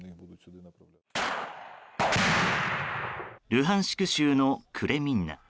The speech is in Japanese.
ルハンシク州のクレミンナ。